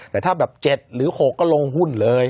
แต่ถ้าแบบ๗หรือ๖ก็ลงหุ้นเลย